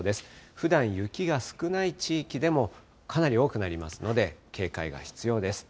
ふだん、雪が少ない地域でも、かなり多くなりますので、警戒が必要です。